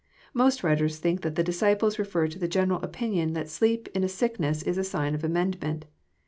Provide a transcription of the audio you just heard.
Most writers think that the disciples referred to the general opinion, that sleep in a sickness is a sign of amendment.